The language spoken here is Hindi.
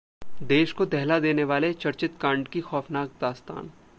देश को दहला देने वाले चर्चित कांड की खौफनाक दास्तान